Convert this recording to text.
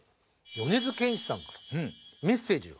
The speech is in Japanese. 米津玄師さんからメッセージが。